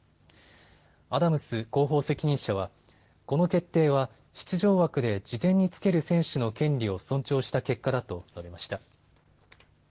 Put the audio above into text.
アダムス広報責任者はこの決定は出場枠で次点につける選手の権利を尊重した結果だと述べました。